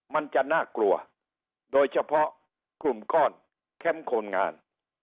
มันจะน่ากลัวโดยเฉพาะกลุ่มก้อนแคมป์คนงาน